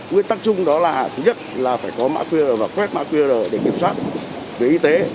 quy tắc chung đó là thứ nhất là phải có mạng qr và quét mạng qr để kiểm soát người y tế